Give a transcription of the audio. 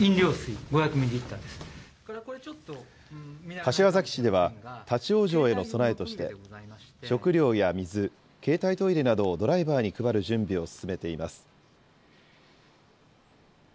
柏崎市では立往生への備えとして、食料や水、携帯トイレなどをドライバーに配る準備を進めています。